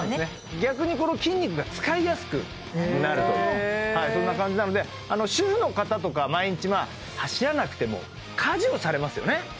逆にこの筋肉が使いやすくなるというそんな感じなので主婦の方とか毎日走らなくても家事をされますよね